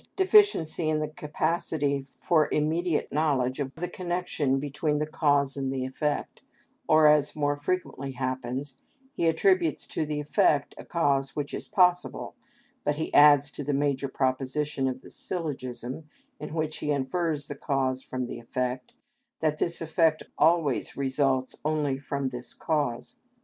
_, deficiency in the capacity for immediate knowledge of the connection between the cause and the effect, or, as more frequently happens, he attributes to the effect a cause which is possible, but he adds to the major proposition of the syllogism, in which he infers the cause from the effect, that this effect always results only from this cause.